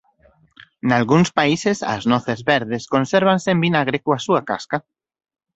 Nalgúns países as noces verdes consérvanse en vinagre coa súa casca.